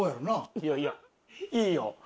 いやいやいいよ。